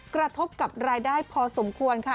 กระทบกับรายได้พอสมควรค่ะ